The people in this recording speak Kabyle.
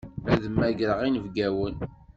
Ad mmagreɣ inebgawen.